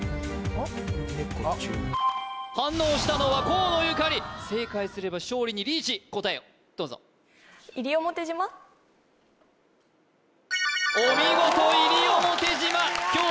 反応したのは河野ゆかり正解すれば勝利にリーチ答えをどうぞお見事西表島今日